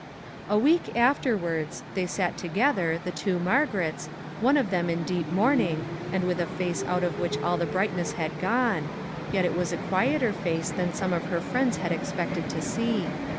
A week afterwards they sat together, the two Margarets, one of them in deep mourning, and with a face out of which all the brightness had gone; yet it was a quieter face than some of her friends had expected to see.